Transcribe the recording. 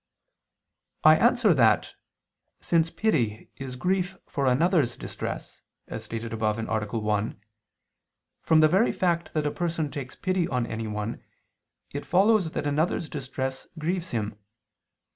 I answer that, Since pity is grief for another's distress, as stated above (A. 1), from the very fact that a person takes pity on anyone, it follows that another's distress grieves him.